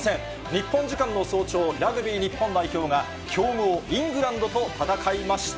日本時間の早朝、ラグビー日本代表が、強豪イングランドと戦いました。